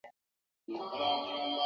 گوگھ میدریش ،پرہ زام گیال